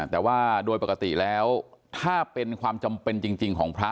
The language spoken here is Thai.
แต่ว่าโดยปกติแล้วถ้าเป็นความจำเป็นจริงของพระ